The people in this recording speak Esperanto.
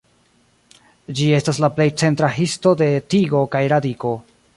Ĝi estas la plej centra histo de tigo kaj radiko.